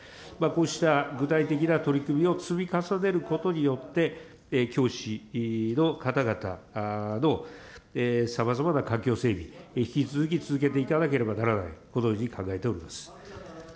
こうした具体的な取り組みを積み重ねることによって、教師の方々のさまざまな環境整備、引き続き続けていかなければならない、このように考えております。